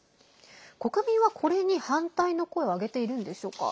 国民は、これに反対の声を上げているんでしょうか？